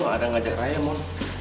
gue gak ada ngajak raya moh